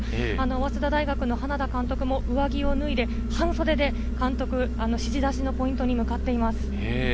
早稲田大学の花田監督も上着を脱いで半袖で監督指示出しのポイントに向かっています。